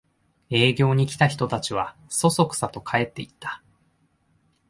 営業に来た人たちはそそくさと帰っていった